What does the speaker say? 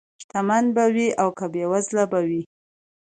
شتمن به وي او که بېوزله به وي.